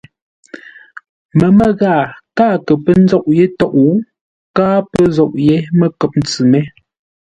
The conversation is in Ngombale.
Məmə́ ghaa káa kə pə́ nzôʼ yé tôʼ, káa pə́ zôʼ yé məkəp-ntsʉ mé.